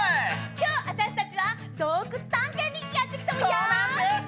今日私たちは洞窟探検にやってきたわよそうなんです